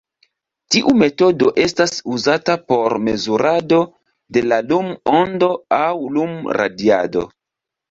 Tiu metodo estas uzata por mezurado de la lum-ondo aŭ lum-radiado.